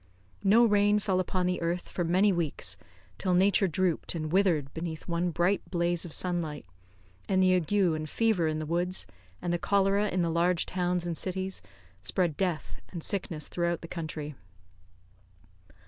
No rain fell upon the earth for many weeks, till nature drooped and withered beneath one bright blaze of sunlight; and the ague and fever in the woods, and the cholera in the large towns and cities, spread death and sickness through the country.